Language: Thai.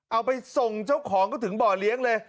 เอาไปส่งเจ้าของก็ถึงบ่อเลี้ยงเลย